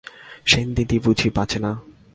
সেনদিদি বুঝি বাঁচে না।